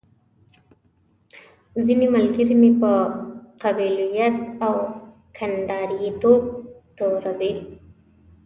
ځينې ملګري مې په قبيلويت او کنداريتوب توروي.